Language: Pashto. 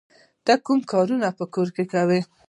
ته کوم کارونه په کور کې کوې؟